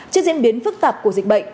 trên diễn biến phức tạp của dịch bệnh